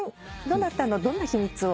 どなたのどんな秘密を？